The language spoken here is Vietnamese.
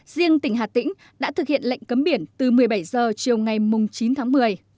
riêng tỉnh hà tĩnh đã thực hiện lệnh cấm biển từ một mươi bảy h chiều ngày chín tháng một mươi